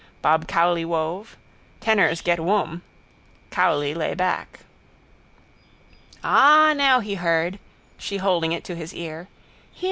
Bob Cowley wove. Tenors get wom. Cowley lay back. Ah, now he heard, she holding it to his ear. Hear!